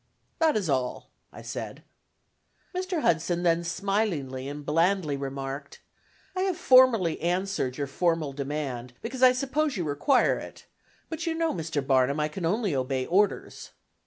"That is all," I said. Mr. Hudson then smilingly and blandly remarked, "I have formally answered your formal demand, because I suppose you require it; but you know, Mr. Barnum, I can only obey orders."